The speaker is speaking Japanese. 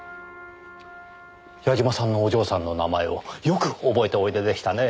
矢嶋さんのお嬢さんの名前をよく覚えておいででしたね。